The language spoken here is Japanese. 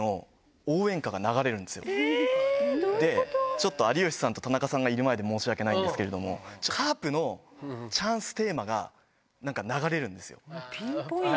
ちょっと有吉さんと田中さんがいる前で申し訳ないんですけれども、カープのチャンステーマがピンポイントだ。